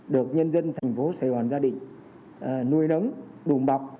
được nhân dân thành phố sài gòn gia định nuôi nấng đùm bọc